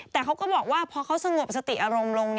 แต่เขาก็บอกว่าพอเขาสงบสติอารมณ์ลง